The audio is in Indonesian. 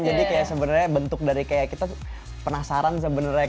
jadi kayak sebenarnya bentuk dari kayak kita penasaran sebenarnya